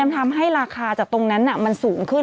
ทำให้ราคาจากตรงนั้นมันสูงขึ้น